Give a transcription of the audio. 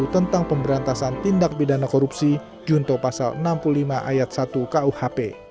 tentang pemberantasan tindak pidana korupsi junto pasal enam puluh lima ayat satu kuhp